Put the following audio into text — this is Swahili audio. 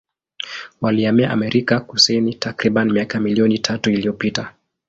Walihamia Amerika Kusini takribani miaka milioni tatu iliyopita.